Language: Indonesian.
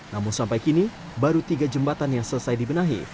namun sampai kini baru tiga jembatan yang selesai dibenahi